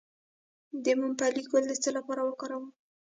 د ممپلی ګل د څه لپاره وکاروم؟